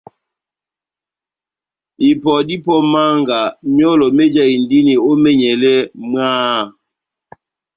Ipɔ dá ipɔ ó mánga, myɔlɔ méjahindini ó menyɛlɛ mwaaaha !